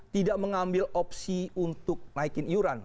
tidak mengambil opsi untuk naikin iuran